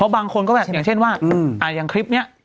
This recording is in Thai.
บางคนก็แบบอย่างเช่นว่าอย่างคลิปนี้